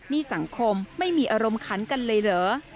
นี่สังคมไม่มีอารมณ์คันกันเลยเหรอ